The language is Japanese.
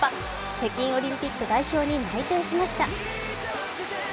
北京オリンピック代表に内定しました。